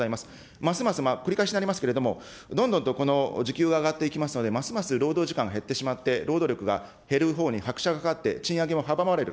ますます、繰り返しになりますけれども、どんどんとこの時給が上がっていきますので、ますます労働時間が減ってしまって、労働力が減るほうに拍車がかかって、賃上げも阻まれる。